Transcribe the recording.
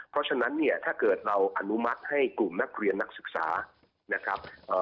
เพราะฉะนั้นเนี่ยถ้าเกิดเราอนุมัติให้กลุ่มนักเรียนนักศึกษานะครับ